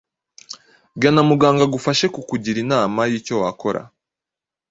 gana muganga agufashe kukugira inama y’icyo wakora